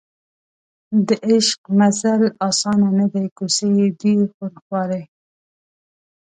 د عشق مزل اسان نه دی کوڅې یې دي خونخوارې